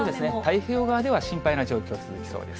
太平洋側ではちょっと心配な状況続きそうです。